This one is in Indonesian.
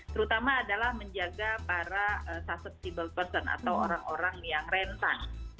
terutama adalah menjaga para susceptible person atau orang orang yang rentan